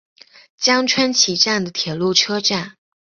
江川崎站的铁路车站。